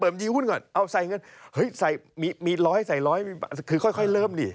เปิดบัญชีหุ้นก่อนเอาทรายเงินเฮ้ยมีร้อยคือค่อยเริ่มดิ